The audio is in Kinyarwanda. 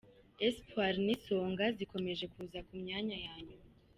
Espoir n’Isonga zikomeje kuza ku myanya ya nyuma.